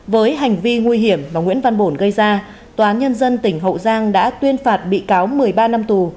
với hành vi nguy hiểm mà nguyễn văn bổn gây ra tòa nhân dân tỉnh hậu giang đã tuyên phạt bị cáo một mươi ba năm tù